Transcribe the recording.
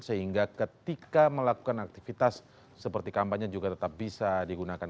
sehingga ketika melakukan aktivitas seperti kampanye juga tetap bisa digunakan